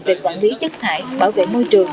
về quản lý chất hại bảo vệ môi trường